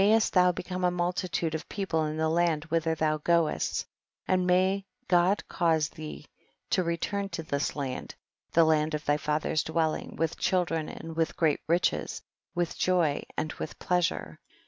83 est thou become a multitude of people in the land whither thou goest, and may God cause thee to return to this land, the land of thy father's dwelling, with children and with great riches, with joy and with pleasure.